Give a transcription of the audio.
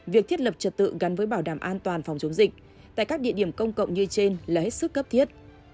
việc thiết lập trật tự gắn với bảo đảm an toàn phòng chống dịch tại các địa điểm công cộng như trên là hết sức cấp thiết